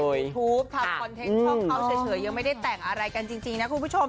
วิทยุทูปถ้าคอนเทคช่องเข้าเฉยยังไม่แต่งอะไรกันจริงนะครับคุณผู้ชม